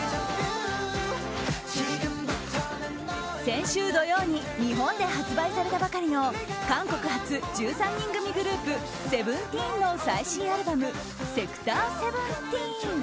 先週土曜に日本で発売されたばかりの韓国発１３人組グループＳＥＶＥＮＴＥＥＮの最新アルバム「ＳＥＣＴＯＲ１７」。